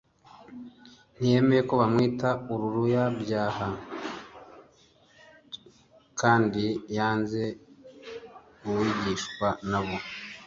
Ntiyemeye ko bamwita uruluruyabyaha tcandi yanze lwigishwa nabo.